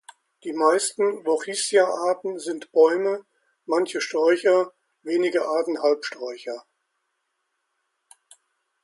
Die meisten "Vochysia"-Arten sind Bäume, manche Sträucher, wenige Arten Halbsträucher.